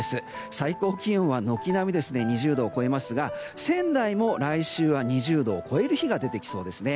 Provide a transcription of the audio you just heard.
最高気温は軒並み２０度を超えますが仙台も来週は２０度を超える日が出てきそうですね。